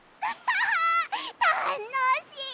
たのしい！